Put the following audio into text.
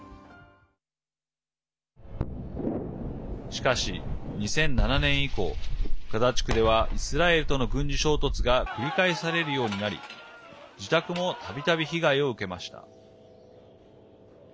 しかし、２００７年以降ガザ地区ではイスラエルとの軍事衝突が繰り返されるようになり自宅もたびたび被害を受けました。